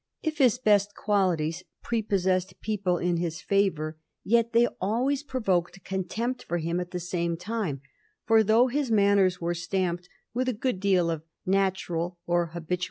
If his best qualities pre possessed people in his favor, yet they always provoked contempt for him at the same time; for, though his mar ners were stamped with a good deal of natural or habitua.